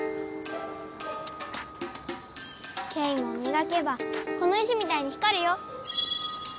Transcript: ケイもみがけばこの石みたいに光るよ。